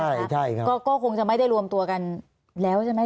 ใช่ใช่ครับก็คงจะไม่ได้รวมตัวกันแล้วใช่ไหม